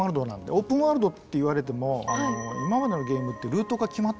オープンワールドって言われても今までのゲームってルートが決まってるんですよ。